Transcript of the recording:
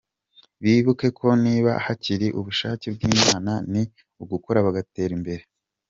Bibuke ko niba hakiri ubushake bw’Imana ni ugukora bagatera imbere.